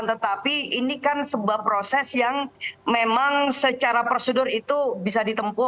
tetapi ini kan sebuah proses yang memang secara prosedur itu bisa ditempuh